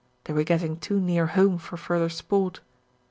They were getting too near home for further sport.